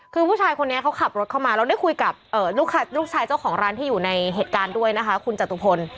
คือผู้ชายคนนี้เขาขับรถเข้ามาเราได้คุยกับลูกชายเจ้าของร้านที่อยู่ในเหตุการณ์ด้วยนะคะคุณจตุพล